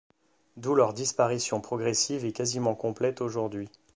D’où leur disparition progressive et quasiment complète aujourd’hui.